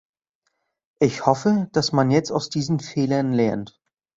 Ich hoffe, dass man jetzt aus diesen Fehlern lernt.